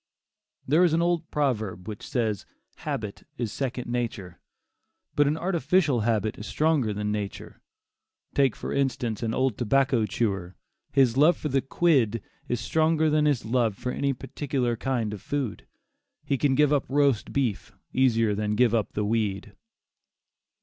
There is an old proverb which says that "habit is second nature," but an artificial habit is stronger than nature. Take for instance an old tobacco chewer; his love for the "quid" is stronger than his love for any particular kind of food. He can give up roast beef easier than give up the weed.